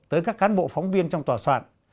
tới các cán bộ phóng viên trong tòa soạn